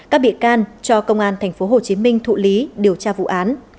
các bị can cho công an tp hcm thụ lý điều tra vụ án